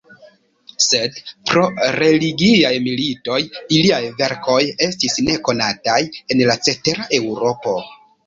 Sed pro religiaj militoj iliaj verkoj estis nekonataj en la cetera Eŭropo.